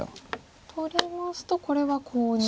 取りますとこれはコウになる。